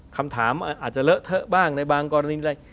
คำถามอาจจะเลอะเทอะบ้างในบางกรณีอะไร